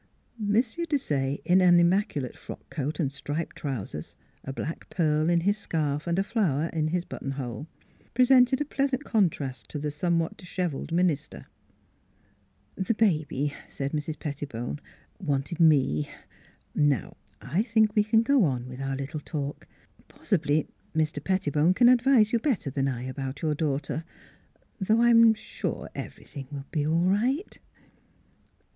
M. Desaye, in an immaculate frock coat and striped trousers, a black pearl in his scarf and a flower in his buttonhole, presented a pleasant contrast to the somewhat disheveled minister. "The baby," said Mrs. Pettibone, "wanted me. ... Now I think we can go on with our little talk. Possibly Mr. Pettibone can advise you better than I about your daughter though I am sure everything will be all right."